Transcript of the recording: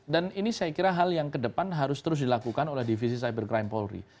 dan ini saya kira hal yang kedepan harus terus dilakukan oleh divisi cybercrime polri